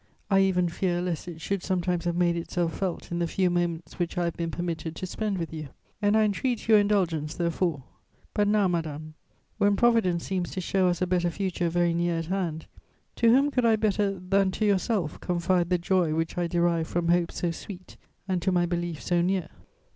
I even fear lest it should sometimes have made itself felt in the few moments which I have been permitted to spend with you, and I entreat your indulgence therefore. But now, madame, when Providence seems to show us a better future very near at hand, to whom could I better than to yourself confide the joy which I derive from hopes so sweet and, to my belief, so near?